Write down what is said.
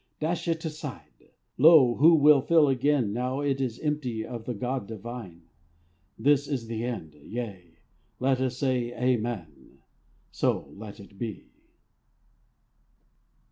Dash it aside! Lo, who will fill again Now it is empty of the god divine! This is the end. Yea, let us say Amen. So let it be.